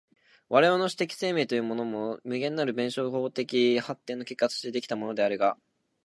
我々の種的生命というものも、無限なる弁証法的発展の結果として出来たものであるが、